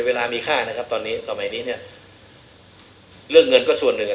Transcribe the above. เวลามีค่านะครับตอนนี้สมัยนี้เนี่ยเรื่องเงินก็ส่วนหนึ่ง